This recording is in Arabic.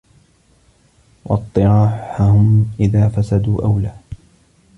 وَاطِّرَاحَهُمْ إذَا فَسَدُوا أَوْلَى